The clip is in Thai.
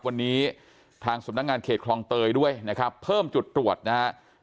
วันนี้ทางสำนักงานเขตคลองเตยด้วยนะครับเพิ่มจุดตรวจนะครับ